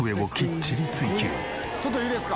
ちょっといいですか？